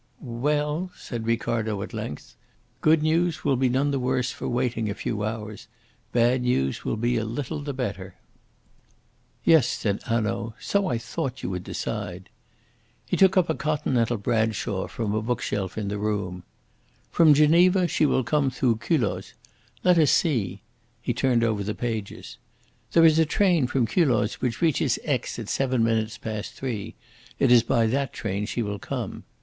"Well," said Ricardo, at length, "good news will be none the worse for waiting a few hours. Bad news will be a little the better." "Yes," said Hanaud; "so I thought you would decide." He took up a Continental Bradshaw from a bookshelf in the room. "From Geneva she will come through Culoz. Let us see!" He turned over the pages. "There is a train from Culoz which reaches Aix at seven minutes past three. It is by that train she will come.